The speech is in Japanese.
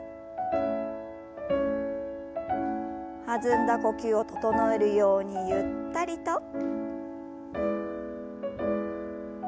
弾んだ呼吸を整えるようにゆったりと。